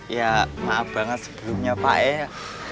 ya maaf banget sebelumnya pak ya